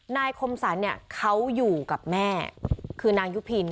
คมสรรเนี่ยเขาอยู่กับแม่คือนางยุพิน